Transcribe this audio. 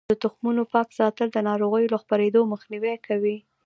د تخمونو پاک ساتل د ناروغیو له خپریدو مخنیوی کوي.